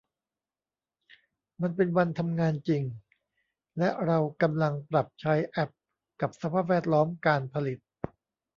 มันเป็นวันทำงานจริงและเรากำลังปรับใช้แอพกับสภาพแวดล้อมการผลิต